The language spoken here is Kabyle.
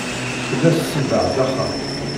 Tella tsebbeɣ-d axxam.